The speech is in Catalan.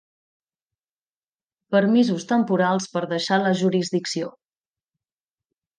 Permisos temporals per deixar la jurisdicció.